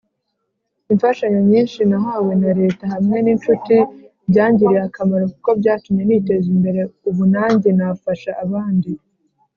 imfashanyo nyinshi nahawe na leta hamwe n incuti byangiriye akamaro kuko byatumye niteza imbere ubunanjye nafasha abandi.